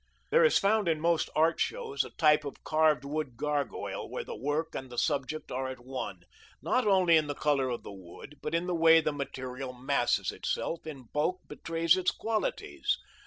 There is found in most art shows a type of carved wood gargoyle where the work and the subject are at one, not only in the color of the wood, but in the way the material masses itself, in bulk betrays its qualities.